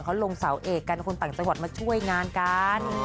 เขาลงสาเหกกับแต่ลงจัอยหัวมาช่วยงานกัน